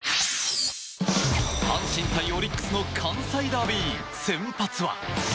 阪神対オリックスの関西ダービー、先発は。